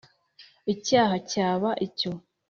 icyaha cyaba icyo.